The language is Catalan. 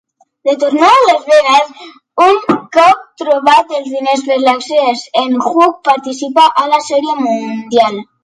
De tornada a Las Vegas, un cop trobats els diners per l'accés, en Huck participa a la Sèrie Mundial.